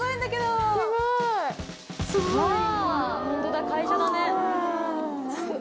すごい！